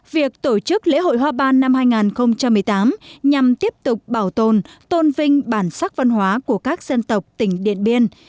việc tổ chức lễ hội hoa ban năm hai nghìn một mươi tám nhằm tiếp tục bảo tồn tôn vinh bản sắc văn hóa của các dân tộc tỉnh điện biên